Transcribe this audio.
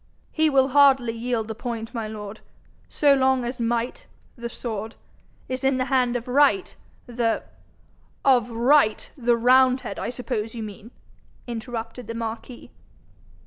'He will hardly yield the point, my lord. So long as Might, the sword, is in the hand of Right, the ' 'Of Right, the roundhead, I suppose you mean,' interrupted the marquis.